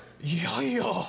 いやいや！